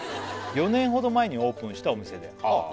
「４年ほど前にオープンしたお店で」